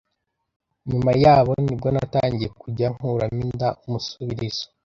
Nyuma yabo nibwo natangiye kujya nkuramo inda umusubirizo